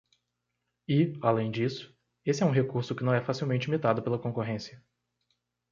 E, além disso, esse é um recurso que não é facilmente imitado pela concorrência.